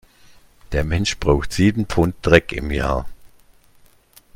Der Mensch braucht sieben Pfund Dreck im Jahr.